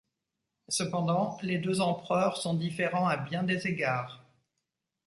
Cependant les deux empereurs sont différents à bien des égards.